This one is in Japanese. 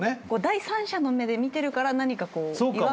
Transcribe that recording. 第三者の目で見てるから何か違和感。